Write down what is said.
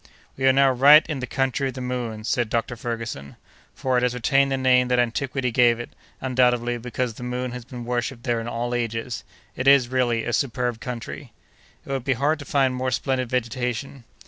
"We are now right in the country of the Moon," said Dr. Ferguson; "for it has retained the name that antiquity gave it, undoubtedly, because the moon has been worshipped there in all ages. It is, really, a superb country." "It would be hard to find more splendid vegetation."